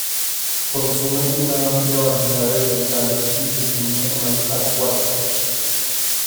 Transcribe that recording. Consume una amplia variedad de vegetales y pequeños animales acuáticos.